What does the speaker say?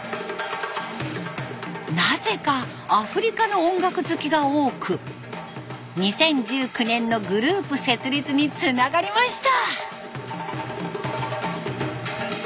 なぜかアフリカの音楽好きが多く２０１９年のグループ設立につながりました。